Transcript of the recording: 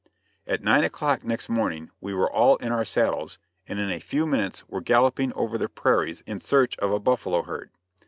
At nine o'clock next morning we were all in our saddles, and in a few minutes were galloping over the prairies in search of a buffalo herd.